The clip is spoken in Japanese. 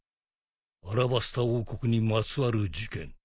アラバスタ王国にまつわる事件。